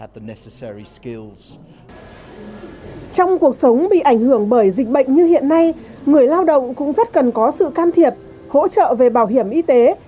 trong cuộc sống bị ảnh hưởng bởi dịch bệnh như hiện nay người lao động cũng rất cần có sự can thiệp hỗ trợ về bảo hiểm y tế